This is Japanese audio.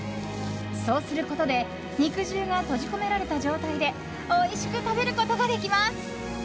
そうすることで肉汁が閉じ込められた状態でおいしく食べることができます。